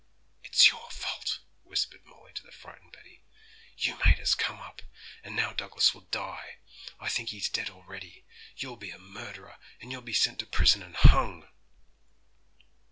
'It's your fault,' whispered Molly to the frightened Betty; 'you made us come up, and now Douglas will die! I think he's dead already; you'll be a murderer, and you'll be sent to prison and hung!'